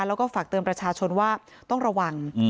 แล้วก็ฝากเตือนประชาชนว่าต้องระวัง